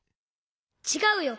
ちがうよ！